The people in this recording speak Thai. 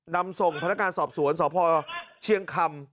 นำส่งพนักงานสอบสวนสพเชียงคำ